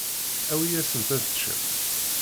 Awi-yasent ad ččent.